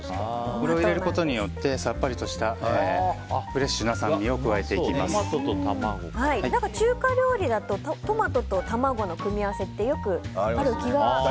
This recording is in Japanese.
これを入れることによってさっぱりとしたフレッシュな中華料理だとトマトと卵の組み合わせってよくある気が。